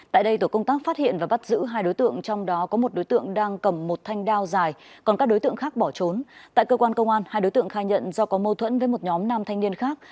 tại cơ quan công an hai đối tượng khai nhận do có mâu thuẫn với một nhóm năm thanh niên khác